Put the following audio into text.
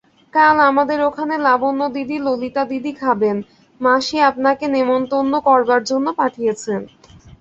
কাল আমাদের ওখানে লাবণ্যদিদি ললিতাদিদি খাবেন, মাসি আপনাকে নেমন্তন্ন করবার জন্যে পাঠিয়েছেন।